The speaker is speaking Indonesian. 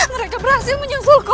mereka berhasil menyusulku